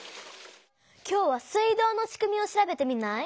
今日は水道のしくみを調べてみない？